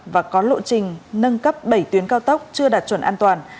và có lộ trình nâng cấp bảy tuyến cao tốc chưa đạt chuẩn an toàn